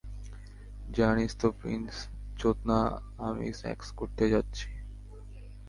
জানিস তো, ফিঞ্চ চোদনা, আমি সেক্স করতে যাচ্ছি।